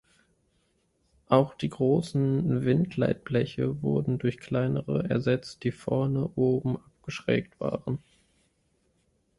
Auch die großen Windleitbleche wurden durch kleinere ersetzt, die vorne oben abgeschrägt waren.